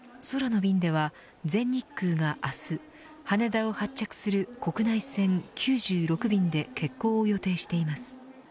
空の便では全日空が明日羽田を発着する国内線９６便で欠航を予定しています。